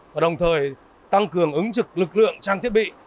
và đồng thời tăng cường ứng trực lực lượng trang thiết bị